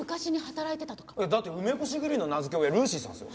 だって梅越グリーンの名付け親ルーシーさんですよ。